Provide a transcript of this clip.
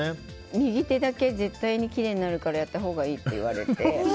右手が絶対にきれいになるからやったほうがいいって言われて。